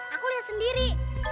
aku lihat sendiri